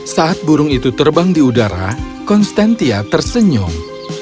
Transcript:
saat burung itu terbang di udara konstantia tersenyum